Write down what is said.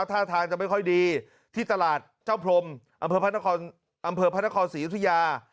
ท่าทางจะไม่ค่อยดีที่ตลาดเจ้าพรมอำเภอพระนครศรียุธยา